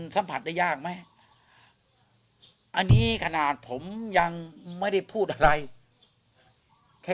สัมผัสได้ยากไหมอันนี้ขนาดผมยังไม่ได้พูดอะไรแค่